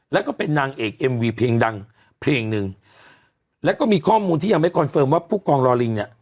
แล้วก็เป็นนางเอกเอ็มวีเพลงดังเพลงหนึ่งแล้วก็มีข้อมูลที่ยังไม่คอนเฟิร์มว่าผู้กองรอลิงเนี่ย